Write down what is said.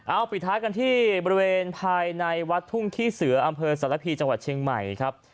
เอาปิดท้ายกันที่บริเวณภายในวัดทุ่งขี้เสืออำเภอสารพีจังหวัดเชียงใหม่ครับ